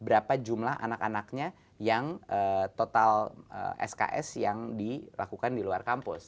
berapa jumlah anak anaknya yang total sks yang dilakukan di luar kampus